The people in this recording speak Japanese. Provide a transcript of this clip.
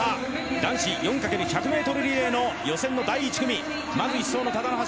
男子４×１００ｍリレーの予選の第１組。